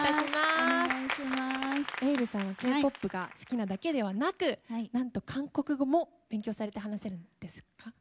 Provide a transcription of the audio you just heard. ｅｉｌｌさんはＫ‐ＰＯＰが好きなだけではなくなんと韓国語も勉強されて話せるんですか？